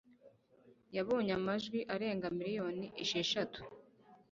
Yabonye amajwi arenga miliyoni esheshatu